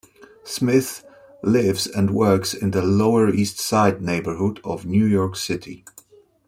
Smith lives and works in the Lower East Side neighborhood of New York City.